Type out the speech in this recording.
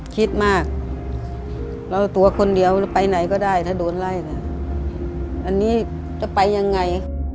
คิดมากเราตัวคนเดียวหรือไปไหนก็ได้ถ้าโดนไล่เนี่ยอันนี้จะไปยังไง